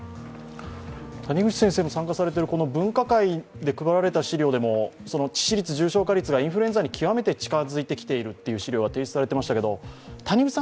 谷口先生も参加されている分科会で配られた資料でも致死率、重症化率がインフルエンザに極めて近づいてきているという資料が提出されていましたけれども、谷口さん